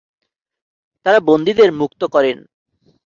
তারা বন্দীদের মুক্ত করেন।